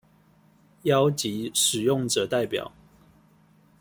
邀集使用者代表